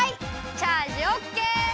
チャージオッケー！